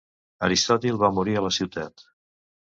Aristòtil va morir a la ciutat.